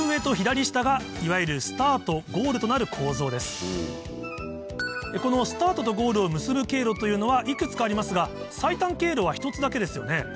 今回実験用に考えたそしてこのスタートとゴールを結ぶ経路というのはいくつかありますが最短経路は１つだけですよね